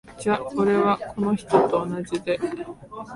じゃ俺は、この人と同じで。